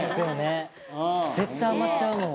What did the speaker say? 大西：絶対余っちゃうもん。